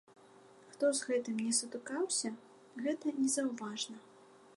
Хто з гэтым не сутыкаўся, гэта незаўважна.